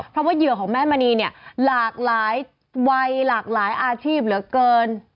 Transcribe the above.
เพราะว่าเหยื่อของแม่มณีเนี่ยหลากหลายวัยหลากหลายอาชีพเหลือเกิน